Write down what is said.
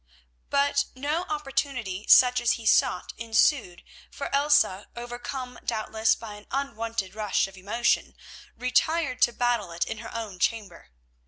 But no opportunity such as he sought ensued, for Elsa, overcome, doubtless, by an unwonted rush of emotion, retired to battle it in her own chamber.